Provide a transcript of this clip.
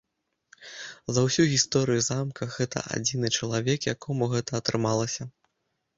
За ўсю гісторыю замка гэта адзіны чалавек, якому гэта атрымалася.